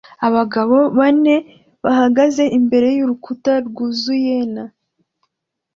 Abagabo bane bahagaze imbere y'urukuta rwuzuyena